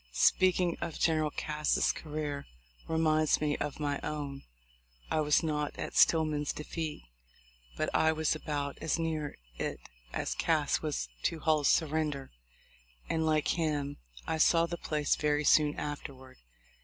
Speak ing of General Cass's career, reminds me of my own. I was not at Stillman's defeat, but I was about as near it as Cass was to Hull's surrender; and, like him, I saw the place very soon afterward.